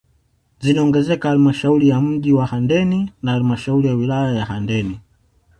Zinaongezeka halmashauri ya mji wa Handeni na halmashauri ya wilaya ya Handeni